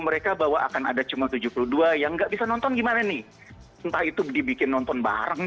mereka bahwa akan ada cuma tujuh puluh dua yang nggak bisa nonton gimana nih entah itu dibikin nonton bareng